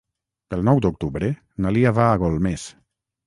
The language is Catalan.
El nou d'octubre na Lia va a Golmés.